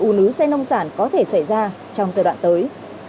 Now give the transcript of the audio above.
ủ nứ xe nông sản có thể xảy ra trong giai đoạn tới